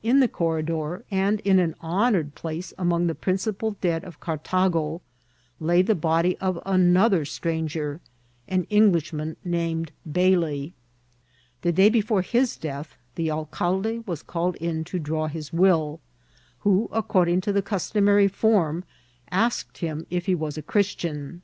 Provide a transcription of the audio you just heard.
In the corridor, and in an honoured place among the principal dead of Cartago, lay the body of another stranger, an Englishman named Bailey. The day be fore his death the alcalde was called in to draw his will^ who, according to the customary form, asked him if he was a Christian.